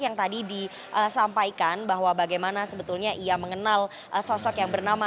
yang tadi disampaikan bahwa bagaimana sebetulnya ia mengenal sosok yang bernama